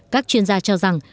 các chuyên gia cho rằng